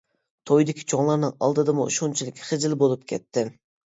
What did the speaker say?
تويدىكى چوڭلارنىڭ ئالدىدىمۇ شۇنچىلىك خىجىل بولۇپ كەتتىم.